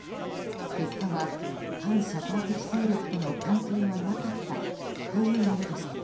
結果は反社会的勢力との関係はなかったというものでした。